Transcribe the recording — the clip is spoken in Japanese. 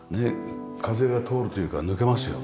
風が通るというか抜けますよね。